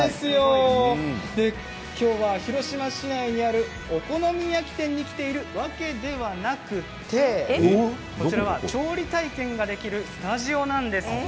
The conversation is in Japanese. きょうは広島市内にあるお好み焼き店に来ているわけではなくてこちらは調理体験ができるスタジオなんです。